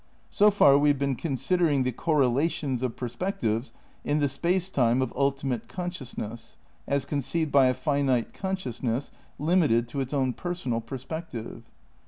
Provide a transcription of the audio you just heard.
So far we have been considering the correlations of perspectives in tbe Space Time of ultimate conscious ness as conceived by a finite consciousness limited to its own personal perspective.